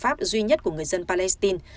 trong một diễn biến mới nhất của người dân palestine